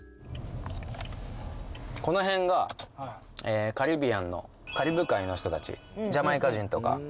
この辺がカリビアンの、カリブ海の人たち、ジャマイカ人とか。